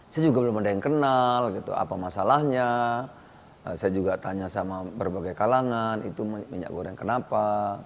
saya juga belum ada yang kenal gitu apa masalahnya saya juga tanya sama berbagai kalangan itu minyak goreng kenapa